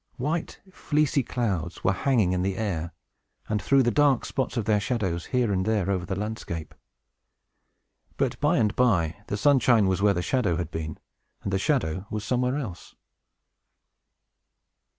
White, fleecy clouds were hanging in the air, and threw the dark spots of their shadow here and there over the landscape. But, by and by, the sunshine was where the shadow had been, and the shadow was somewhere else.